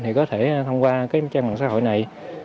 thì có thể thông qua cái trang mạng xã hội này